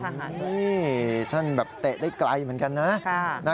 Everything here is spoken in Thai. นี่ท่านแบบเตะได้ไกลเหมือนกันนะ